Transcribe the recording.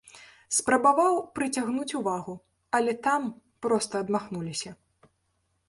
Спрабаваў прыцягнуць увагу, але там проста адмахнуліся.